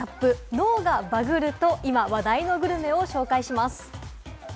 脳がバグると今話題のグルメを紹介します。